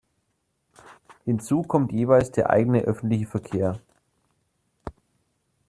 Hinzu kommt jeweils der eigene öffentliche Verkehr.